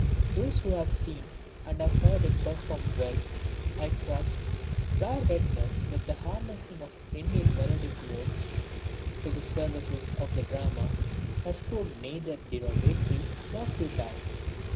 Those who have seen and heard it performed will, I trust, bear witness that the harnessing of Indian melodic modes to the service of the drama has proved neither derogatory nor futile.